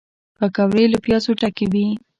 پکورې له پیازو ډکې وي